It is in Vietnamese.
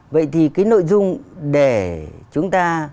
vậy thì cái nội dung để chúng ta